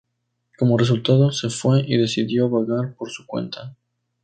Como resultado, se fue y decidió vagar por su cuenta.